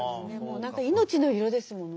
何か命の色ですもんね。